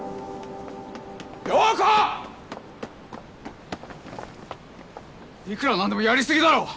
陽子‼いくら何でもやり過ぎだろ！